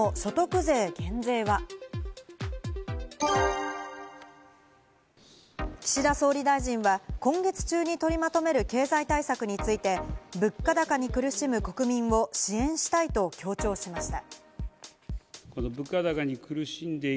経済対岸田総理大臣は今月中に取りまとめる経済対策について、物価高に苦しむ国民を支援したいと強調しました。